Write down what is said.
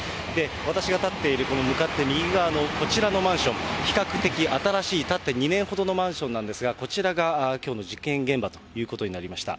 私が立っているこの向かって右側のこちらのマンション、比較的新しい、建って２年ほどのマンションなんですが、こちらがきょうの事件現場ということになりました。